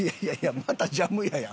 またジャム屋やん。